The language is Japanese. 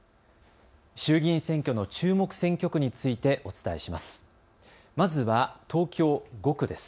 衆議院選挙の注目選挙区についてお伝えします。